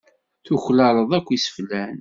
Tuklaleḍ akk iseflan.